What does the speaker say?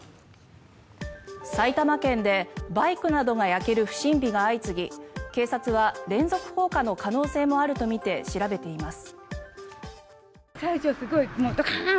埼玉県でバイクなどが焼ける不審火が相次ぎ警察は連続放火の可能性もあるとみて調べています。